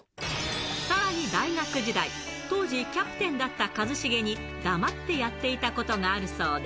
さらに大学時代、当時、キャプテンだった一茂に黙ってやっていたことがあるそうで。